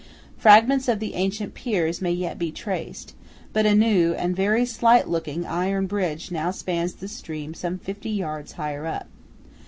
Fragments of the ancient piers may yet be traced; but a new and very slight looking iron bridge now spans the stream some fifty yards higher up.